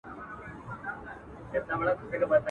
د حاکم تر خزانې پوري به تللې.